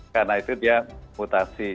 karena itu dia mutasi